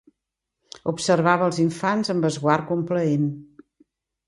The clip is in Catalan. Observava els infants amb esguard complaent.